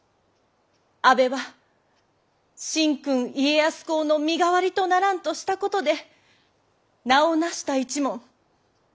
阿部は神君家康公の身代わりとならんとしたことで名をなした一門。